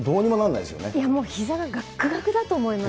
いやもう、ひざががくがくだと思います。